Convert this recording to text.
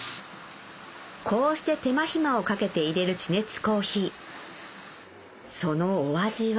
こうして手間暇をかけて入れるそのお味は？